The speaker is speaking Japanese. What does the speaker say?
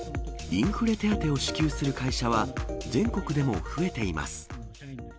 インフレ手当を支給する会社は、全国でも増えています。